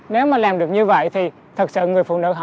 nếu mà làm được như vậy thì thật sự người phụ nữ họ